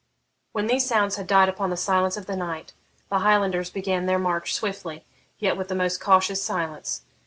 When these sounds had died upon the silence of the night, the Highlanders began their march swiftly, yet with the most cautious silence.